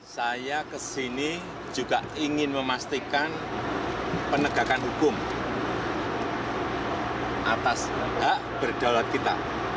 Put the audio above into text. saya kesini juga ingin memastikan penegakan hukum atas hak berdaulat kita